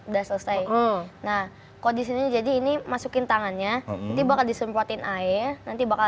udah selesai nah kok disini jadi ini masukin tangannya ini bakal disemprotin air nanti bakal